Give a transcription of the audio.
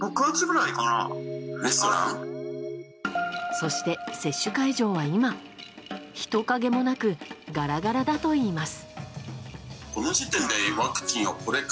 そして接種会場は今人影もなくガラガラだといいます。